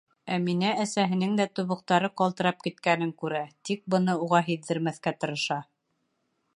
Әминә әсәһенең дә тубыҡтары ҡалтырап киткәнен күрә, тик быны уға һиҙҙермәҫкә тырыша.